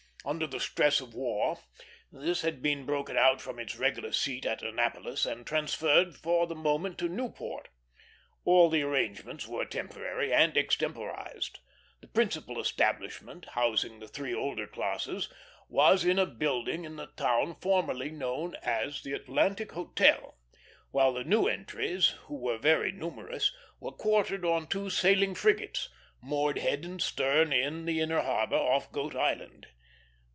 Under the stress of the war, this had been broken out from its regular seat at Annapolis and transferred for the moment to Newport. All the arrangements were temporary and extemporized. The principal establishment, housing the three older classes, was in a building in the town formerly known as the Atlantic Hotel; while the new entries, who were very numerous, were quartered on two sailing frigates, moored head and stern in the inner harbor, off Goat Island.